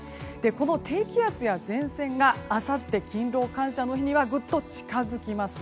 この低気圧や前線があさって勤労感謝の日にはぐっと近づきます。